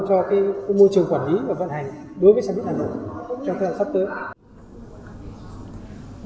cho môi trường quản lý và vận hành đối với xe buýt hà nội trong thời gian sắp tới